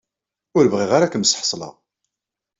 Ur bɣiɣ ara ad kem-ssḥeṣleɣ.